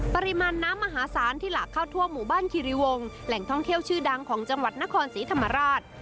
ปริมาณน้ำมหาศาลที่หลากเข้าทั่วหมู่บ้านคิริวงศ์แหล่งท่องเที่ยวชื่อดังของจังหวัดนครศรีธรรมราช